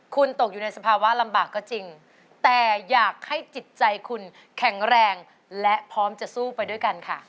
คุณตกอยู่ในสภาวะลำบากก็จริงแต่อยากให้จิตใจคุณแข็งแรงและพร้อมจะสู้ไปด้วยกันค่ะ